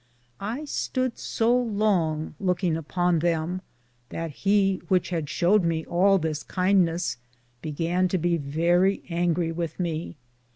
I stood so longe loukinge upon them that he which had showed me all this kindnes began to be verrie angrie with me.